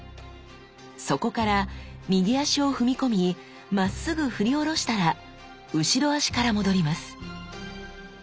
そこから右足を踏み込みまっすぐふり下ろしたら後ろ足から戻ります。